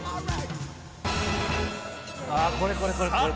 「ああこれこれこれこれ」